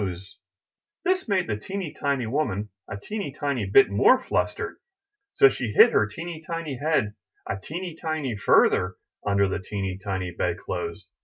337 MY BOOK HOUSE This made the teeny tiny woman a teeny tiny bit more flustered; so she hid her teeny tiny head a teeny tiny further under the teeny tiny bed clothes.